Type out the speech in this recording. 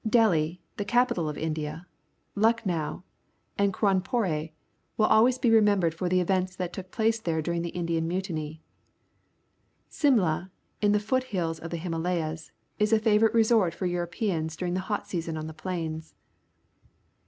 Delhi ^ the capital of India, Lucknow, and Qa wnpor e will alwaj'S be remembered for the events that took place there during the Indian ^Mutinj'. Simla, in the foot hills of the Hiraala3'as, is a favourite resort for Europeans during the hot season on the plains.